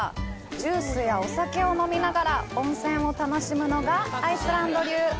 ジュースやお酒を飲みながら温泉を楽しむのがアイスランド流。